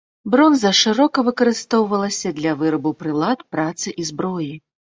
Бронза шырока выкарыстоўвалася для вырабу прылад працы і зброі.